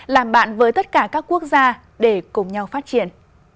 làm bạn với tất cả các quốc gia để cùng nhau phát triển